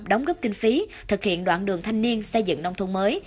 đóng góp kinh phí thực hiện đoạn đường thanh niên xây dựng nông thôn mới